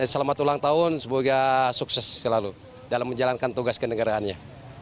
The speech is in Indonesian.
selamat ulang tahun semoga sukses selalu dalam menjalankan tugas kenegaraannya